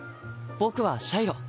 僕はシャイロ。